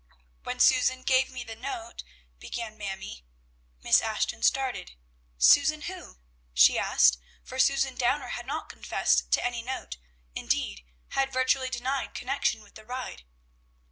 "When Susan gave me the note," began Mamie. Miss Ashton started. "Susan who?" she asked, for Susan Downer had not confessed to any note; indeed, had virtually denied connection with the ride.